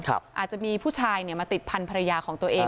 อาจจะมีผู้ชายมาติดพันธรรยาของตัวเอง